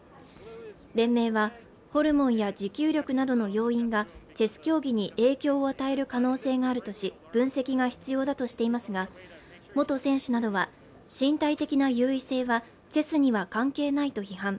連盟はホルモンや持久力などの要因がチェス競技に影響を与える可能性があるとし分析が必要だとしていますが元選手などは身体的な優位性はジェスには関係ないと批判